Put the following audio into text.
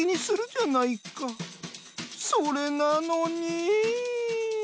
それなのにぃ」。